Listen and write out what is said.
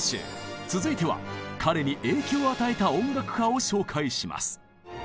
続いては彼に影響を与えた音楽家を紹介します。